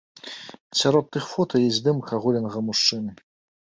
Сярод тых фота ёсць здымак аголенага мужчыны.